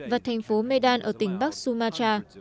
và thành phố medan ở tỉnh bắc sumatra